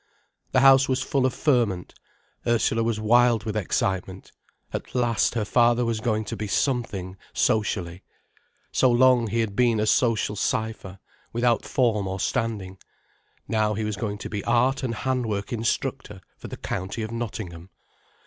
The house was full of ferment. Ursula was wild with excitement. At last her father was going to be something, socially. So long, he had been a social cypher, without form or standing. Now he was going to be Art and Handwork Instructor for the County of Nottingham.